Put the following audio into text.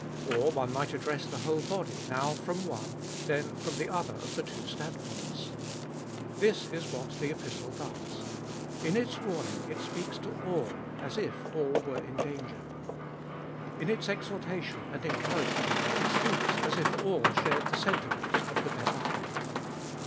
Or one might address the whole body now from one, then from the other of the two standpoints. This is what the Epistle does. In its warning it speaks to all as if all were in danger. In its exhorta tion and encouragement it speaks as if all shared the sentiments of the better half.